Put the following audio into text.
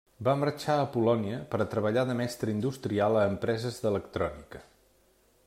Va marxar a Polònia per a treballar de mestre industrial a empreses d'electrònica.